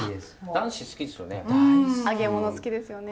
男子好きですよね。